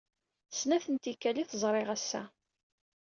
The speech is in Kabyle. Snat n tikkal ay t-ẓriɣ ass-a.